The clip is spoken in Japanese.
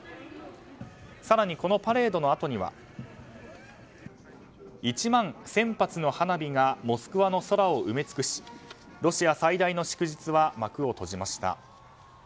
更に、このパレードのあとには１万１０００発の花火がモスクワの空を埋め尽くしロシア最大の祝日は幕を閉じました。